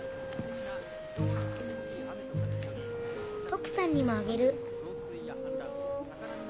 トキさんにもあげる。